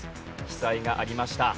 被災がありました。